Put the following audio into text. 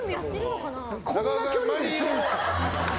こんな距離でするんですか。